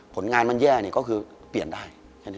ผลงานแย่เปลี่ยนได้